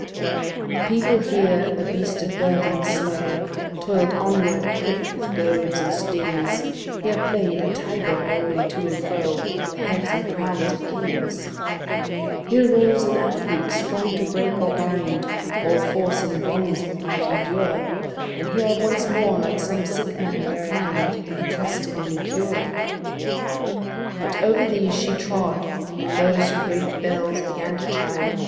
The people here, a beast of burden slow, Toil'd onward, prick'd with goads and stings; Here play'd, a tiger, rolling to and fro The heads and crowns of kings; Here rose, an athlete, strong to break or bind All force in bonds that might endure, And here once more like some sick man declined, And trusted any cure. But over these she trod: and those great bells Began to chime.